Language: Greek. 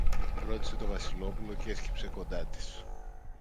ρώτησε το Βασιλόπουλο κι έσκυψε κοντά της.